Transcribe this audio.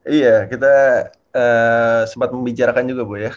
iya kita sempat membicarakan juga bu ya